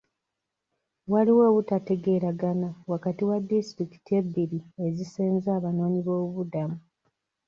Waliwo obutategeeregana wakati wa disitulikiti ebbiri ezisenza abanoonyiboobubudamu.